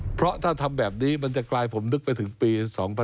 เพราะถ้าทำแบบนี้มันจะกลายผมนึกไปถึงปี๒๕๖๒